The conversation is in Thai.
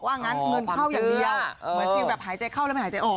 งั้นเงินเข้าอย่างเดียวเหมือนฟิลแบบหายใจเข้าแล้วไม่หายใจออก